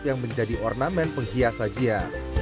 yang menjadi ornamen penghiasan jia